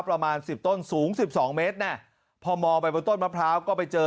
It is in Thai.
ประมาณสิบต้นสูงสิบสองเมตรน่ะพอมองไปบนต้นมะพร้าวก็ไปเจอ